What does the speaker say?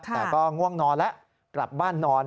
แต่ก็ง่วงนอนแล้วกลับบ้านนอน